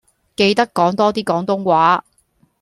記得講多啲廣東話